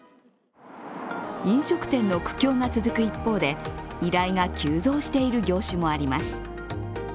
飲食店の苦境が続く一方で依頼が急増している業種もあります。